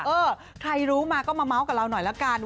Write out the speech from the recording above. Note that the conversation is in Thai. เออใครรู้มาก็มาเมาส์กับเราหน่อยละกัน